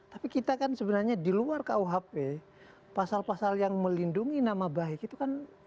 tapi kita kan sebenarnya di luar kuhp pasal pasal yang melindungi nama baik itu kan